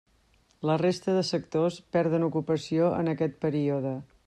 La resta de sectors perden ocupació en aquest període.